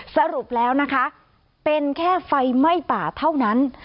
สรุปแล้วนะคะเป็นแค่ไฟไหม้ป่าเท่านั้น